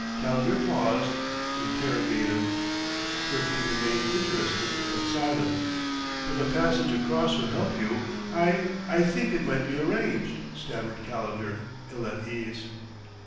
Calendar paused, interrogative; Kirkwood remained interested but silent. "If a passage across would help you, I I think it might be arranged," stammered Calendar, ill at ease.